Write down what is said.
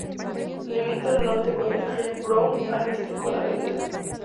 Limita al norte con la calle Brown, al Este con la Av.